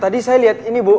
tadi saya lihat ini bu